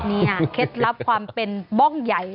เนี่ยเคล็ดลับความเป็นป้องใหญ่